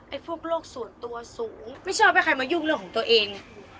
พวกโลกส่วนตัวสูงไม่ชอบให้ใครมายุ่งเรื่องของตัวเอง